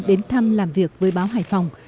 đến thăm làm việc với báo hải phòng